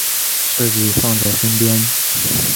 设计放在身边